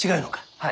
はい。